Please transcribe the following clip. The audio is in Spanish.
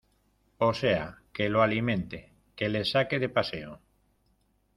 o sea, que lo alimente , que le saque de paseo.